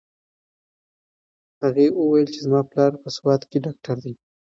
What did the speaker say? هغې وویل چې زما پلار په سوات کې ډاکټر دی.